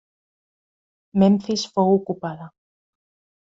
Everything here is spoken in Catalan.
Memfis fou ocupada.